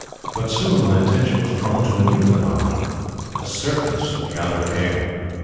"But soon my attention was drawn to a new phenomenon the serpents of the outer air.